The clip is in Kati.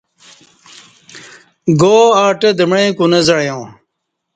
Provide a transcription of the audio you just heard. گاآٹہ دمیع کو نہ زعیا